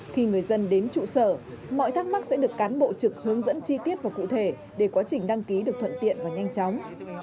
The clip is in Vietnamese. khi người dân đến trụ sở mọi thắc mắc sẽ được cán bộ trực hướng dẫn chi tiết và cụ thể để quá trình đăng ký được thuận tiện và nhanh chóng